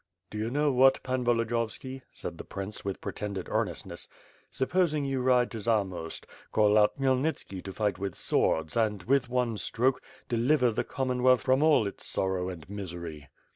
"Do you know what. Pan Volodiyovski," said the prince with pretended earnestness, "supposing you ride to Zamost, call out Khmyelnitski to fight with swords and, with one stroke, deliver the Commonwealth from all its sorrow and misery."